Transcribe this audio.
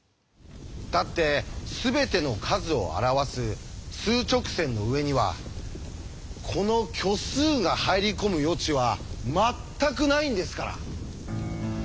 だってすべての数を表す数直線の上にはこの虚数が入り込む余地は全くないんですから。